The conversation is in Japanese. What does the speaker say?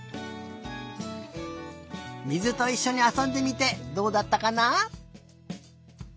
水といっしょにあそんでみてどうだったかな？